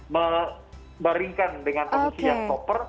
maringkan dengan penuh siang koper